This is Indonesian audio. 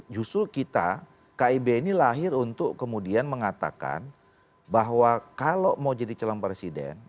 justru kita kib ini lahir untuk kemudian mengatakan bahwa kalau mau jadi calon presiden